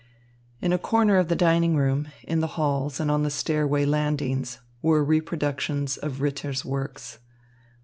In a corner of the dining room, in the halls and on the stairway landings, were reproductions of Ritter's works.